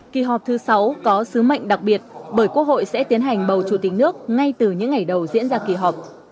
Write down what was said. kỳ họp thứ sáu có sứ mệnh đặc biệt bởi quốc hội sẽ tiến hành bầu chủ tịch nước ngay từ những ngày đầu diễn ra kỳ họp